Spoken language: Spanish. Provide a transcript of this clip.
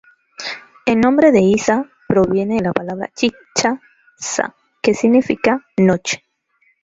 El nombre de Iza proviene de la palabra Chibcha "za" que significa noche.